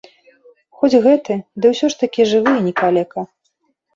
Хоць гэты, ды ўсё ж такі жывы і не калека.